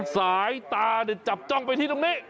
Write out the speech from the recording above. สายตาจับจ้องไปที่ตรงนี้